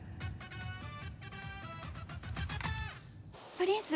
プリンス？